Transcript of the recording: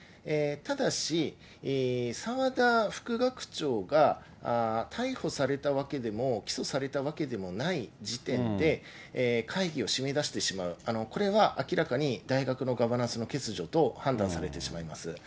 ただし、澤田副学長が逮捕されたわけでも、起訴されたわけでもない時点で、会議を締め出してしまう、これは明らかに大学のガバナンスの欠如と判断されてしまいます。